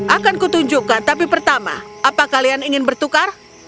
akan kutunjukkan tapi pertama apa kalian ingin bertukar